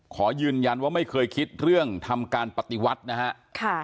ขอยืนยันว่าไม่เคยคิดเรื่องทำการปฏิวัตินะฮะ